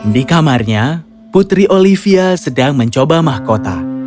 di kamarnya putri olivia sedang mencoba mahkota